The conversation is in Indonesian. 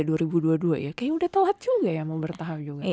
kayaknya udah telat juga ya mau bertahan juga